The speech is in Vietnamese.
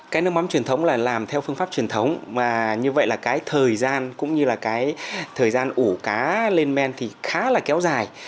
cái nước mắm truyền thống là làm theo phương pháp truyền thống mà như vậy là cái thời gian cũng như là cái thời gian ủ cá lên men thì khá là kéo dài